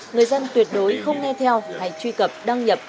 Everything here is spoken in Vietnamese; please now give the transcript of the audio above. người dân tuyệt đối không nghe theo hay truy cập đăng nhập